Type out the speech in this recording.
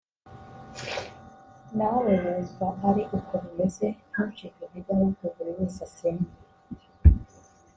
nawe wumva ari uko bimeze ntucike intege ahubwo buri wese asenge